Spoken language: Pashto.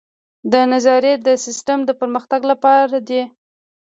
دا نظریې د سیسټم د پرمختګ لپاره دي.